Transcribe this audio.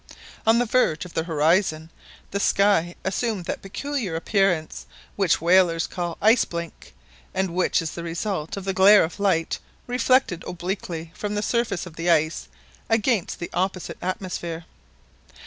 On the verge of the horizon, the sky assumed that peculiar appearance which whalers call ice blink, and which is the result of the glare of light reflected obliquely from the surface of the ice against the opposite atmosphere.